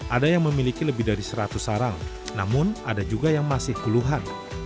ada yang memiliki lebih dari seratus sarang namun ada juga yang masih puluhan